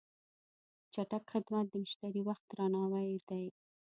چټک خدمت د مشتری وخت درناوی دی.